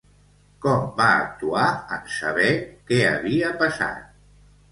Com va actuar en saber què havia passat?